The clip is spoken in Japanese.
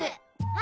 あ！